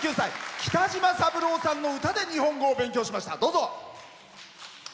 北島三郎さんの歌で日本語を勉強してきました。